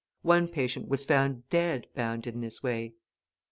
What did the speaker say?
One patient was found dead, bound in this way.